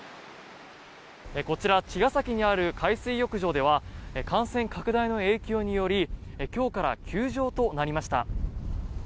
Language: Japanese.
こちら、茅ヶ崎にある海水浴場では感染拡大の影響により今日から休場となりました。